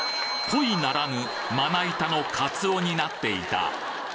コイならぬ、まな板のカツオになっていた。